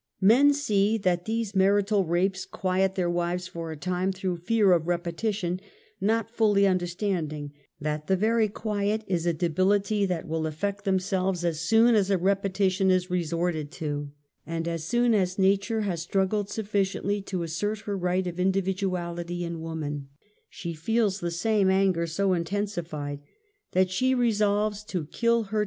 Men see that these niarital rapes quiet their wives for a time through fear of repetition, not fully under standing that the very quiet is a debility that will effect themselves as soon as a repetition is resorted to,, and as soon as nature has struggled sufficiently to as sert her right of individuality in woman, she feels the same anger so intensified that she resolves to kill her 144 UNMASKED.